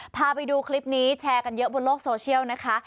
พาไปดูคลิปนี้แชร์กันเยอะบนโลกโซเชียลนะคะ